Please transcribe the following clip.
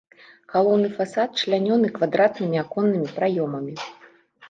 Галоўны фасад члянёны квадратнымі аконнымі праёмамі.